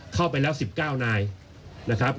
เข้าไปแล้ว๑๙นายนะครับ